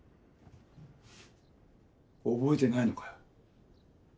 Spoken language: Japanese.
覚えてないのかよ。